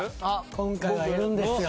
今回はいるんですよ。